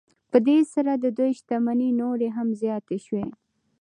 په دې سره د دوی شتمنۍ نورې هم زیاتې شوې